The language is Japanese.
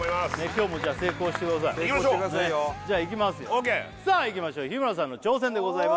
今日もじゃ成功してください成功してくださいよじゃいきますよＯＫさあいきましょう日村さんの挑戦でございます